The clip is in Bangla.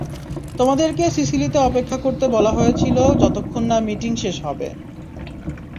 তোমাদেরকে সিসিলিতে অপেক্ষা করতে বলা হয়েছিল যতক্ষণ না মিটিং শেষ হবে।